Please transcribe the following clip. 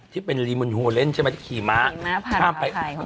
ที่เป็นลีมอนฮัวเลนด์ใช่ไหมหิมะถ้ามไป